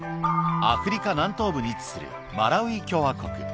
アフリカ南東部に位置するマラウイ共和国。